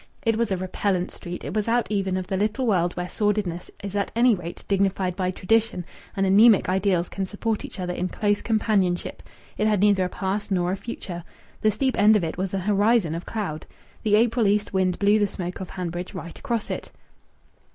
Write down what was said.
It was a repellent street; it was out even of the little world where sordidness is at any rate dignified by tradition and anaemic ideals can support each other in close companionship. It had neither a past nor a future. The steep end of it was an horizon of cloud. The April east wind blew the smoke of Hanbridge right across it.